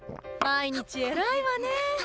毎日偉いわねえ。